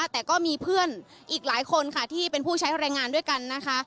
แต่ก็มีเพื่อนอีกหลายคนค่ะที่เป็นผู้ใช้แรงงานด้วยกันนะคะ